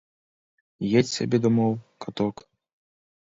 Едзь сабе дамоў, каток.